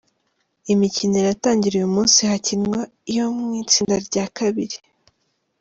Imikino iratangira uyu munsi hakinwa iyo mu itsinda rya kabiri.